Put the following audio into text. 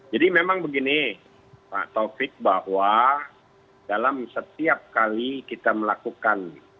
jadi memang begini pak taufik bahwa dalam setiap kali kita melakukan